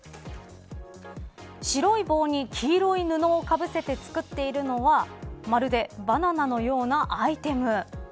白い棒に黄色い布をかぶせて作っているのはまるでバナナのようなアイテム。